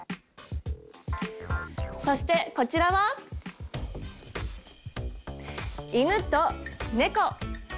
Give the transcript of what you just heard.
そしてこちらは犬と猫。